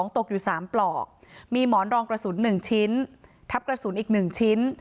ตกอยู่๓ปลอกมีหมอนรองกระสุน๑ชิ้นทับกระสุนอีก๑ชิ้น